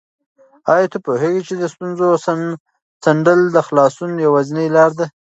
آیا ته پوهېږې چې د ستونزو څنډل د خلاصون یوازینۍ لاره ده؟